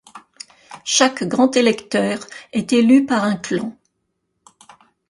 Chaque grand électeur est élu par un clan.